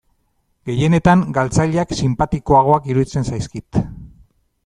Gehienetan galtzaileak sinpatikoagoak iruditzen zaizkit.